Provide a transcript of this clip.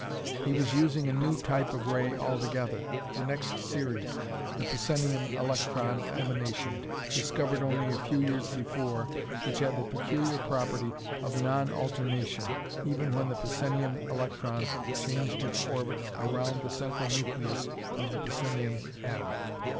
He was using a new type of ray altogether, the next series, the psenium electron emanation discovered only a few years before, which had the peculiar property of non alternation, even when the psenium electron changed its orbit around the central nucleus of the psenium atom.